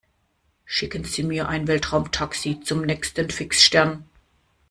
Schicken Sie mir ein Weltraumtaxi zum nächsten Fixstern!